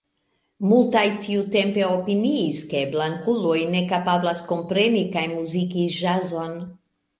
Multaj tiutempe opiniis, ke blankuloj ne kapablas kompreni kaj muziki ĵazon.